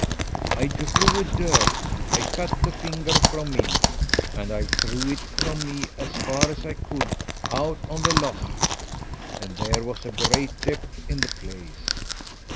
I drew a dirk. I cut the finger from off me, and I threw it from me as far as I could out on the loch, and there was a great depth in the place.